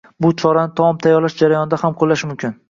Bu chorani taom tayyorlash jarayonida ham qo‘llash mumkin.